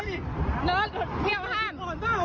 เห้ยเหนิดเหี่ยบลาห้าน